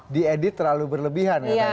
di edit terlalu berlebihan ya